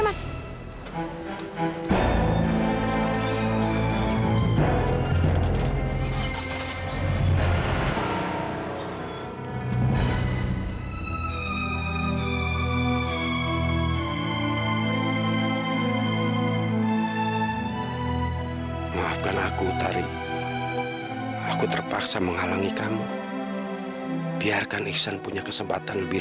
maafkan aku utari aku terpaksa menghalangi kamu biarkan iksan punya kesempatan lebih